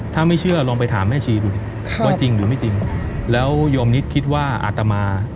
ถ้าไม่เชื่อลองไปถามแม่ชีดูสิว่าจริงหรือไม่จริงแล้วโยมนิดคิดว่าอาตมา